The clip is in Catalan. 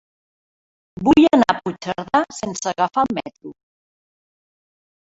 Vull anar a Puigcerdà sense agafar el metro.